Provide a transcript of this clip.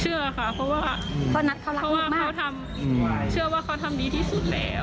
เชื่อค่ะเพราะว่าเพราะนัทเขารักลูกมากเพราะว่าเขาทำเชื่อว่าเขาทำดีที่สุดแล้วอ๋อ